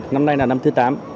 năm nay là năm thứ tám